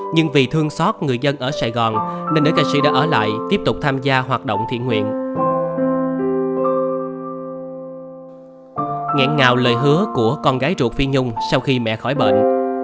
nhưng vì thương xót người dân ở sài gòn nên nữ ca sĩ đã ở lại tiếp tục tham gia hoạt động thiện nguyện